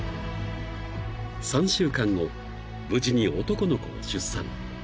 ［３週間後無事に男の子を出産］